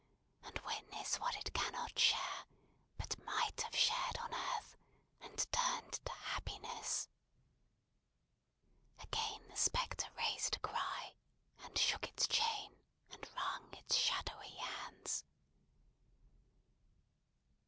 and witness what it cannot share, but might have shared on earth, and turned to happiness!" Again the spectre raised a cry, and shook its chain and wrung its shadowy hands.